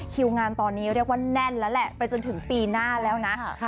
คิวงานตอนนี้เรียกว่าแน่นแล้วแหละไปจนถึงปีหน้าแล้วนะ